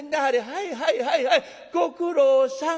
はいはいはいはいご苦労さん。